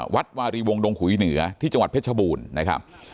วัดวารีวงดงขุยเหนือที่จังหวัดเพชรบูรณ์นะครับ